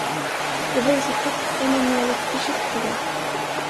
Jag vore så tacksam om ni är lite försiktiga.